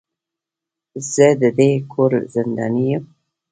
زه د دې کور زنداني يم.